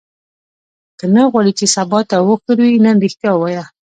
که نه غواړې چې سبا ته وښوېږې نن ریښتیا ووایه.